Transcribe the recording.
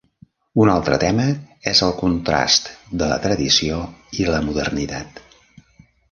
Un altre tema és el contrast de la tradició i la modernitat.